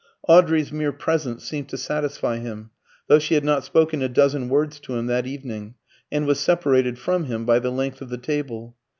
Audrey's mere presence seemed to satisfy him, though she had not spoken a dozen words to him that evening, and was separated from him by the length of the table.